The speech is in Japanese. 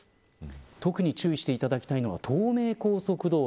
特に注意していてだきたいのは東名高速道路。